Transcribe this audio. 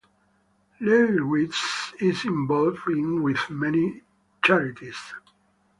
Leyritz is involved in with many charities.